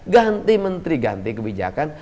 ganti menteri ganti kebijakan